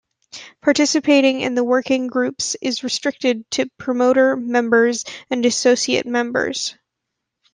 Participation in the Working Groups is restricted to Promoter members and Associate members.